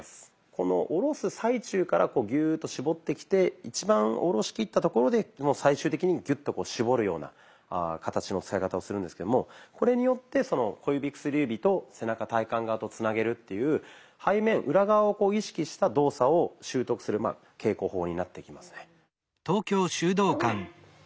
この下ろす最中からこうギューッと絞ってきて一番下ろしきったところで最終的にギュッと絞るような形の使い方をするんですけどもこれによってその小指・薬指と背中・体幹側とつなげるという背面裏側を意識した動作を習得する稽古法になってきますね。